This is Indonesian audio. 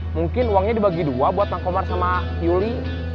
kang mus mungkin uangnya dibagi dua buat kang komar sama yuli